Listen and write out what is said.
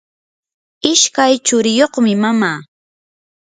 ishkay churiyuqmi mama.